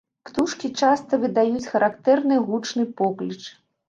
Птушкі часта выдаюць характэрны гучны покліч.